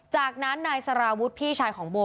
จากนั้นนายสารวุฒิพี่ชายของโบ